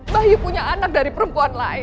bahyu punya anak dari perempuan lain